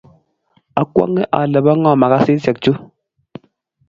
akwonge ale bo ngo makasisiek chu.